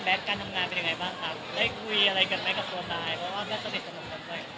เกรงค่ะแต่ว่าแบบพี่ทุกคนก็น่ารักกับเฟิร์นมาก